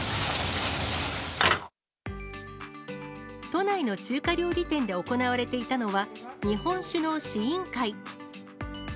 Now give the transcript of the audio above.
都内の中華料理店で行われていたのは、日本酒の試飲会。